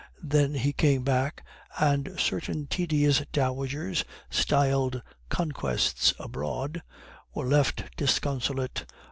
Then he came back, and certain tedious dowagers, styled 'conquests' abroad, were left disconsolate.